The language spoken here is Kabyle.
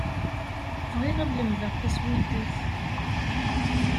Bɣiɣ ad lemdeɣ taswidit.